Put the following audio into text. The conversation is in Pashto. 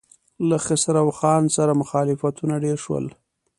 له خسرو خان سره مخالفتونه ډېر شول.